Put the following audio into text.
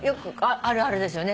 あるあるですよね。